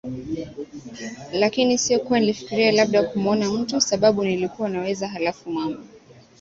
lakini sio kuwa nilifikiria labda kumuona mtu Sababu nilikuwa naweza Halafu mama